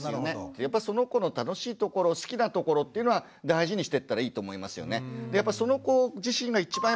やっぱりその子の楽しいところ好きなところっていうのは大事にしてったらいいと思いますよね。